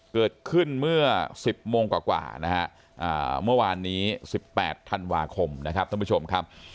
เกิดขึ้นเมื่อ๑๐โมงกว่านะฮะเมื่อวานนี้๑๘ธันวาคมนะครับท่านผู้ชมครับ